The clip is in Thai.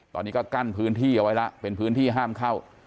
ตอนนี้ก็กั้นพื้นที่เอาไว้แล้วเป็นพื้นที่ห้ามเข้า